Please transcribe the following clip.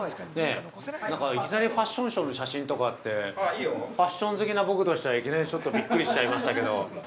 ◆いきなりファッションショーの写真とかって、ファッション好きの僕としてはいきなりちょっとびっくりしちゃいましたけど。